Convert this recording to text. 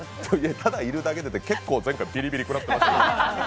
ただいるだけでって、結構、前回ビリビリ食らってましたよ